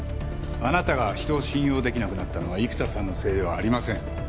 あなたが人を信用できなくなったのは生田さんのせいではありません。